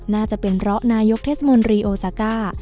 น่าจะเป็นเพราะนายกเทศมนตรีโอซาก้า